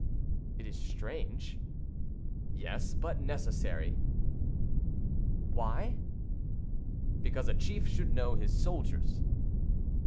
"It is strange." "Yes, but necessary." "Why?" "Because a chief should know his soldiers."